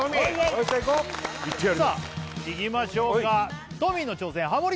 よっしゃいこういきましょうかトミーの挑戦ハモリ